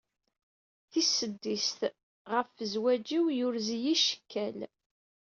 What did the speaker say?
Tis seddiset "Ɣef zewağ-iw yurez-iyi cekkal".